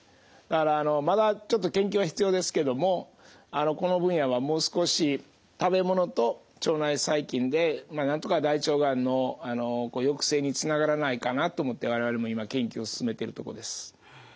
まだちょっと研究が必要ですけどもこの分野はもう少し食べ物と腸内細菌でなんとか大腸がんの抑制につながらないかなと思って我々も今研究を進めてるとこです。